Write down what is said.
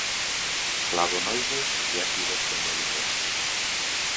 Flavonoides y ácidos fenólicos.